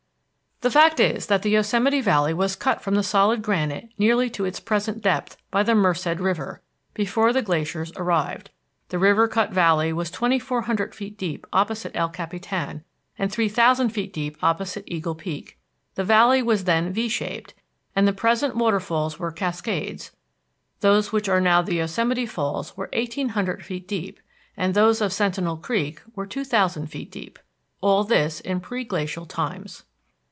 The fact is that the Yosemite Valley was cut from the solid granite nearly to its present depth by the Merced River; before the glaciers arrived, the river cut valley was twenty four hundred feet deep opposite El Capitan, and three thousand feet deep opposite Eagle Peak. The valley was then V shaped, and the present waterfalls were cascades; those which are now the Yosemite Falls were eighteen hundred feet deep, and those of Sentinel Creek were two thousand feet deep. All this in pre glacial times.